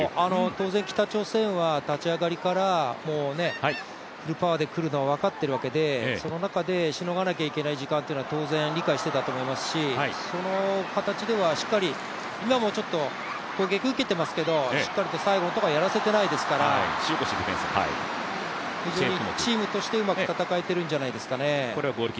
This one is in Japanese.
当然、北朝鮮は立ち上がりからフルパワーで来るのは分かっているわけでその中でしのがなきゃいけない時間というのは当然理解していたと思いますし、その形ではしっかり、今もちょっと攻撃受けていますけれども、しっかりと最後のところは、やらせていないですから、非常にチームとしてうまく戦えているんじゃないですかね。